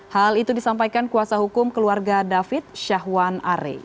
hal itu disampaikan kuasa hukum keluarga david syahwan are